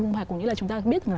không phải là chúng ta biết